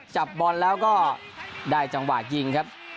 จับบอลแล้วก็ได้จังหวะยิงครับ